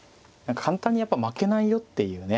簡単にやっぱ負けないよっていうね。